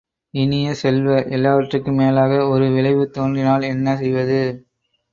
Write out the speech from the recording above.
இனிய செல்வ, எல்லாவற்றிற்கும் மேலாக ஒரு விளைவு தோன்றினால் என்ன செய்வது?